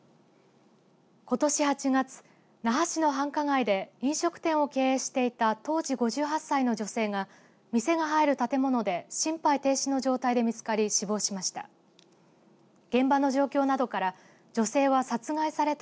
ことし８月那覇市の繁華街で飲食店を経営していた当時５８歳の女性が店が入る建物で心肺停止の状態で見つかり死亡しました。